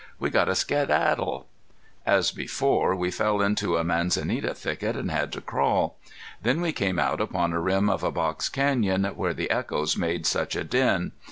We got to skedaddle!" As before we fell into a manzanita thicket and had to crawl. Then we came out upon the rim of a box canyon where the echoes made such a din.